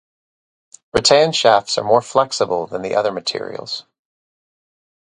Rattan shafts are more flexible than the other materials.